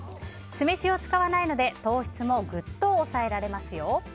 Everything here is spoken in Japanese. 酢飯を使わないので糖質もぐっと抑えられますよ。